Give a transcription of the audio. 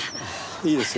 いいですよ。